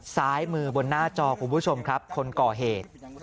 ซ้ายมือบนหน้าจอคุณผู้ชมครับคนก่อเหตุ